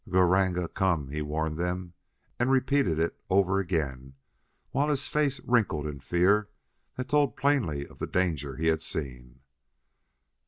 "Gr r ranga come!" he warned them, and repeated it over again, while his face wrinkled in fear that told plainly of the danger he had seen.